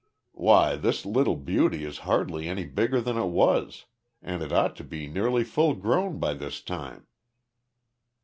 "Why, this little beauty is hardly any bigger than it was, and it ought to be nearly full grown by this time."